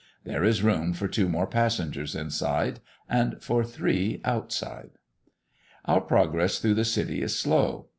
There is room for two more passengers inside and for three outside. Our progress through the city is slow.